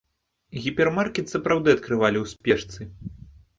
Гіпермаркет сапраўды адкрывалі ў спешцы.